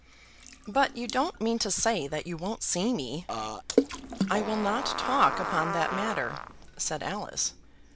"But you don't mean to say that you won't see me?" "I will not talk upon that matter," said Alice.